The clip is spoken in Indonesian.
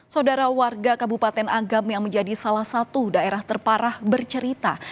saudara warga kabupaten agam yang menjadi salah satu daerah terparah bercerita